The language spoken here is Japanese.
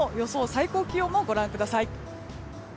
最高気温をご覧ください。